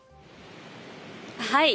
はい。